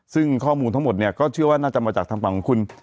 ซึ่งข้อมูลทั้งหมดเชื่อว่าน่าจะมาจากทางแปลงของ